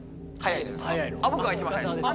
僕が一番速いです。